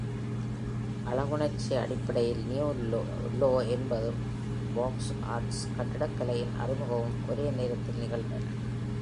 அழகுணர்ச்சி அடிப்படையில் New Law என்பதும் Beaux-Arts கட்டிடக்கலையின் அறிமுகமும் ஒரே நேரத்தில் நிகழ்ந்தன.